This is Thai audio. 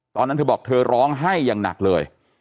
ตอนนั้นเธอบอกเธอร้องไห้อย่างหนักเลย